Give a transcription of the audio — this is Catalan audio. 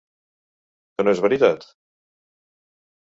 Que no és veritat?